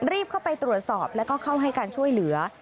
รีบเข้าไปตรวจสอบแล้วก็เข้าให้การช่วยเหลือ